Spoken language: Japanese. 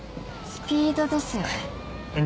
スピードですよね。